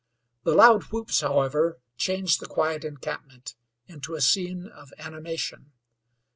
The loud whoops, however, changed the quiet encampment into a scene of animation.